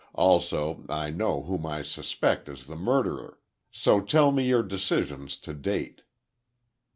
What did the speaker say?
Also, I know whom I suspect as the murderer. So tell me your decisions to date."